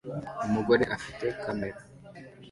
umugore afite kamera